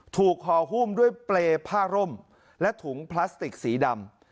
ห่อหุ้มด้วยเปรย์ผ้าร่มและถุงพลาสติกสีดำ